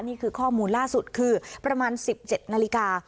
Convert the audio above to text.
นี่คือข้อมูลล่าสุดคือประมาณ๑๗นาฬิกา